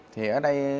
thì ở đây